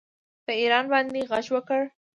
په ایران باندې غږ وکړ